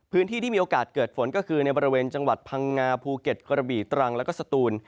พื้นที่ที่มีโอกาสเกิดฝนก็คือในบริเวณจังหวัดพังงาภูเก็ตกระบี่ตรังแล้วก็สตูน